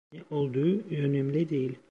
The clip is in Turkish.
Ne olduğu önemli değil.